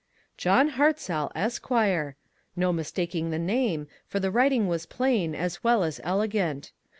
"John Hartzell, Esq." No mistaking the name, for the writing was plain, as well as elegant.